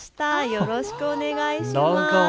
よろしくお願いします。